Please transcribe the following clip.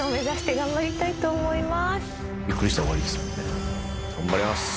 頑張ります。